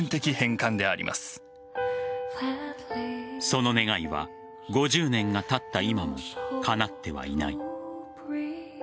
その願いは５０年が経った今もかなってはいない。